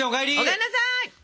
お帰んなさい。